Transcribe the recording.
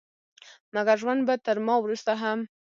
مګر ژوند به تر ما وروسته هم